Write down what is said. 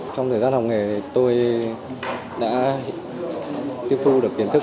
trong thời gian học nghề thì tôi đã tiếp thu được kiến thức